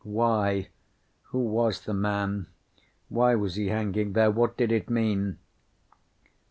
Why? Who was the man? Why was he hanging there? What did it mean?